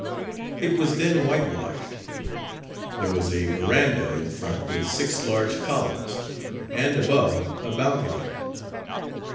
It was then whitewashed. There was a veranda in front with six large columns, and, above, a balcony.